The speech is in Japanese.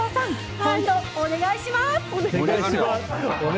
本当、お願いします！